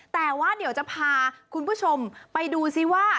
แต่ว่าเดี๋ยวจะพาคุณผู้ชมไปดูซิว่า